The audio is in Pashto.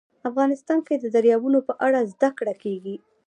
افغانستان کې د دریابونه په اړه زده کړه کېږي.